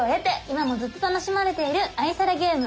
今もずっと楽しまれている愛されゲーム囲碁！